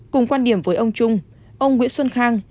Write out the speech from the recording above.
cùng quan điểm với ông trung ông nguyễn xuân khang